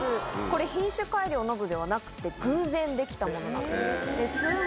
これ品種改良などではなくて偶然できたものなんです。